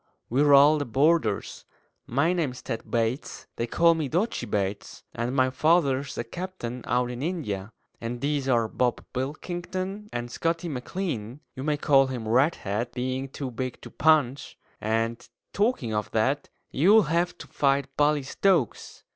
"We're all the boarders. My name's Ted Bates they call me Doggy Bates and my father's a captain out in India; and these are Bob Pilkington and Scotty Maclean. You may call him Redhead, being too big to punch; and, talking of that, you'll have to fight Bully Stokes."